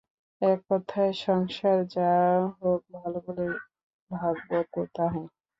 এক কথায়, সংসারে যাহাকে ভালো বলে, ভাগবত তাহাই।